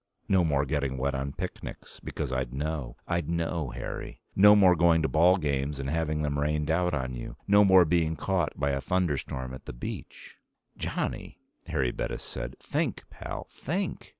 No more getting wet on picnics. Because I'd know. I'd know, Harry. No more going to ball games and having them rained out on you. No more being caught by a thunderstorm at the beach ..." "Johnny!" Harry Bettis said. "Think, pal. Think!"